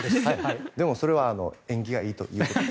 でも、それは縁起がいいということで。